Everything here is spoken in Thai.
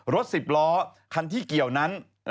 รถ๑๐ล้อคันที่เกี่ยวนั้น